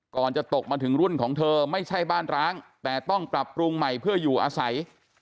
จะตกมาถึงรุ่นของเธอไม่ใช่บ้านร้างแต่ต้องปรับปรุงใหม่เพื่ออยู่อาศัย